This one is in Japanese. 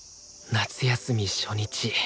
夏休み初日。